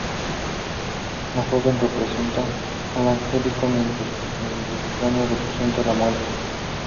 La joven representa al "angelito" mientras que el extraño representa a "la muerte".